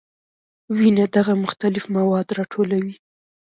وینه دغه مختلف مواد راټولوي.